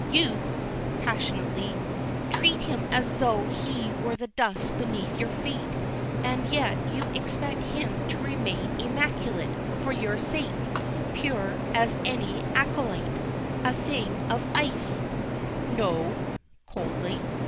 You" passionately "treat him as though he were the dust beneath your feet, and yet you expect him to remain immaculate, for your sake pure as any acolyte a thing of ice " "No," coldly.